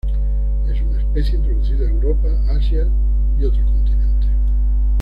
Es una especie introducida a Europa, Asia, y otros continentes.